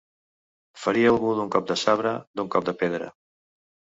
Ferir algú d'un cop de sabre, d'un cop de pedra.